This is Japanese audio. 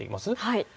はい。